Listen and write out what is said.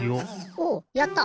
おおやった。